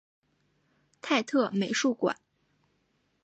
泰特美术馆。